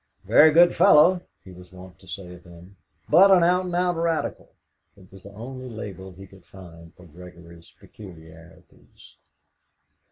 "A very good fellow," he was wont to say of him, "but an out and out Radical." It was the only label he could find for Gregory's peculiarities.